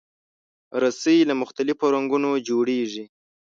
رسۍ له مختلفو رنګونو جوړېږي.